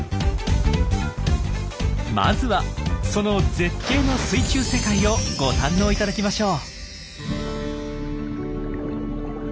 まずはその絶景の水中世界をご堪能頂きましょう。